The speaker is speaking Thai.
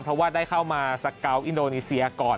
เพราะว่าได้เข้ามาสเกาะอินโดนีเซียก่อน